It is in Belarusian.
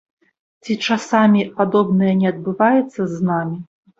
Ці часамі падобнае не адбываецца з намі?